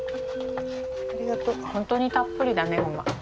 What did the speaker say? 本当にたっぷりだねごま。